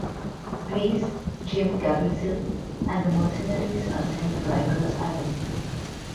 Reese (Jim Caviezel) and the mercenaries are sent to Rikers Island.